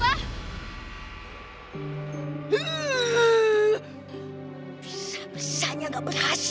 besarnya gak berhasil